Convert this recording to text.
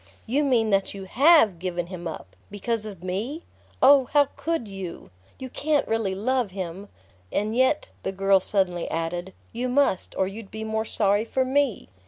"You mean that you HAVE given him up because of me? Oh, how could you? You can't really love him! And yet," the girl suddenly added, "you must, or you'd be more sorry for me!"